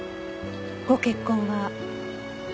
ご結婚は？